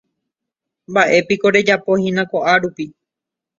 Mba'épiko rejapohína ko'árupi.